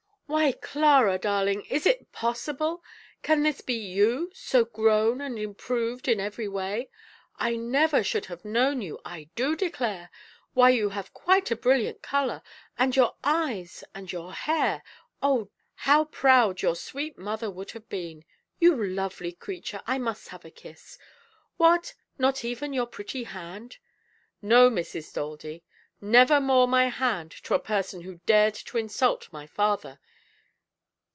"Why, Clara, darling, is it possible? Can this be you so grown, and improved in every way? I never should have known you, I do declare! Why, you have quite a brilliant colour, and your eyes, and your hair oh dear, how proud your sweet mother would have been! You lovely creature, I must have a kiss! What, not even your pretty hand?" "No, Mrs. Daldy; never more my hand to a person who dared to insult my father.